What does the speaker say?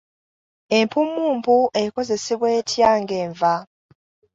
Empummumpu ekozesebwa etya ng’enva?